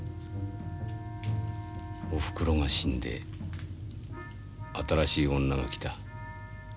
おふくろが死んで新しい女が来た。